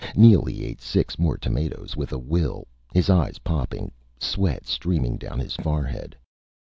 Neely ate six more tomatoes with a will, his eyes popping, sweat streaming down his forehead.